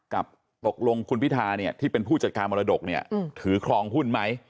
ตกลงคุณพิธาเนี่ยที่เป็นผู้จัดการมรดกเนี่ยถือครองหุ้นไหม